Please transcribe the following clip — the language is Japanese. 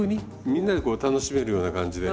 みんなでこう楽しめるような感じで。